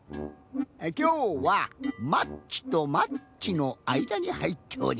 きょうはマッチとマッチのあいだにはいっております。